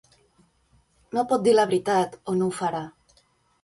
No pot dir la veritat o no ho farà.